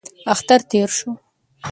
اختر تېر شو.